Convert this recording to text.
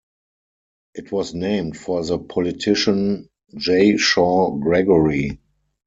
It was named for the politician J. Shaw Gregory.